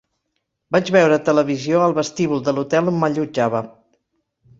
Vaig veure televisió al vestíbul de l'hotel on m'allotjava.